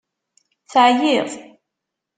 Teɛyiḍ?